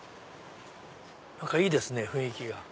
何かいいですね雰囲気が。